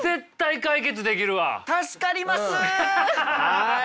はい。